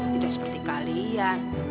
tidak seperti kalian